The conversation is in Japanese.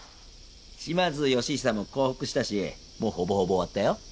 島津義久も降伏したしもうほぼほぼ終わったよ。